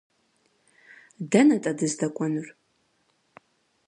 Дэнэ-тӏэ дыздэкӏуэнур?